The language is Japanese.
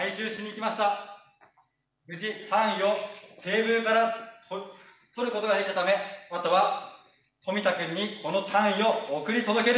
無事単位をテーブルから取ることができたためあとは冨田君にこの単位を送り届けるだけです。